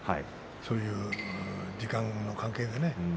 そういう時間の関係でね